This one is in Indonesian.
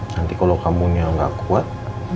nanti kalau kampungnya gak kuat